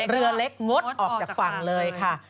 เรือเล็กงดออกจากฝั่งเลยค่ะ